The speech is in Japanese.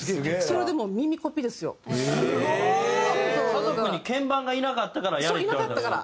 家族に鍵盤がいなかったからやれって言われたんですか。